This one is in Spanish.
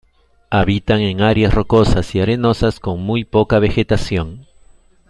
Habitan en áreas rocosas y arenosas, con muy poca vegetación.